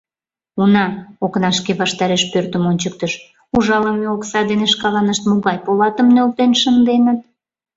— Уна, — окнашке, ваштареш пӧртым ончыктыш, — ужалыме окса дене шкаланышт могай полатым нӧлтен шынденыт.